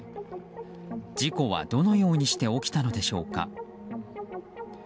事故は、どのようにして起きたのでしょうか。